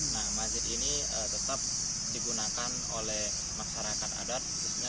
nah masjid ini tetap digunakan oleh masyarakat adat